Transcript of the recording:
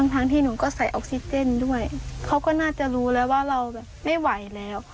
ทั้งที่หนูก็ใส่ออกซิเจนด้วยเขาก็น่าจะรู้แล้วว่าเราแบบไม่ไหวแล้ว